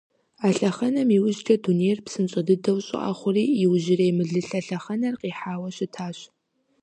А лъэхъэнэм иужькӀэ дунейр псынщӀэ дыдэу щӀыӀэ хъури, иужьрей мылылъэ лъэхъэнэр къихьауэ щытащ.